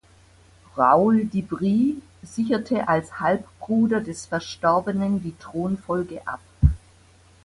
Raoul d’Ivry sicherte als Halbbruder des Verstorbenen die Thronfolge ab.